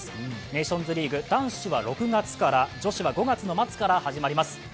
ネーションズリーグ男子は６月から女子は５月末から始まります。